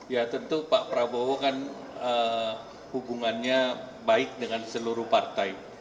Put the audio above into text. ya tentu pak prabowo kan hubungannya baik dengan seluruh partai